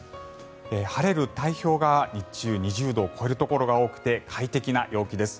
晴れる太平洋側は日中２０度を超えるところが多くて快適な陽気です。